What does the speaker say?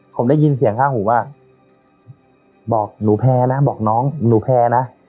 ผมได้ยินเสียงข้างหูว่าบอกหนูแพ้นะบอกน้องหนูแพ้นะ